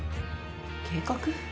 計画？